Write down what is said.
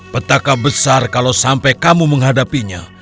petaka besar kalau sampai kamu menghadapinya